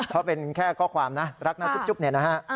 เขาเป็นแค่ข้อความนะรักนะจุ๊บเนี่ยนะฮะ